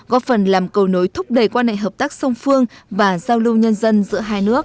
góp phần làm cầu nối thúc đẩy quan hệ hợp tác song phương và giao lưu nhân dân giữa hai nước